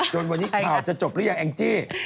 วันนี้ข่าวจะจบหรือยังแองจี้